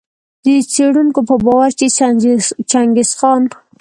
د څېړونکو په باور چي چنګیز خان